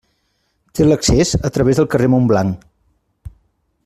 Té l'accés a través del carrer Montblanc.